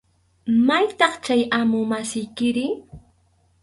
¿Maytaq chay amu masiykiri?